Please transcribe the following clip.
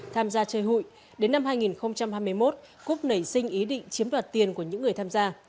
tham gia chơi hụi đến năm hai nghìn hai mươi một cúc nảy sinh ý định chiếm đoạt tiền của những người tham gia